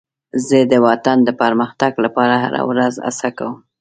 زه د وطن د پرمختګ لپاره هره ورځ هڅه کوم.